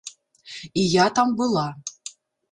І я там была.